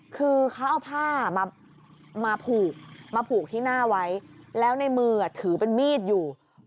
คือเขาเอาผ้ามาผูกมาผูกที่หน้าไว้แล้วในมือถือเป็นมีดอยู่